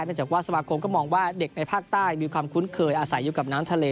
จากว่าสมาคมก็มองว่าเด็กในภาคใต้มีความคุ้นเคยอาศัยอยู่กับน้ำทะเล